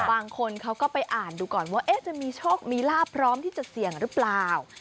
บางคนเขาก็ไปอ่านดูก่อนว่าจะมีโชคมีลาบพร้อมที่จะเสี่ยงหรือเปล่า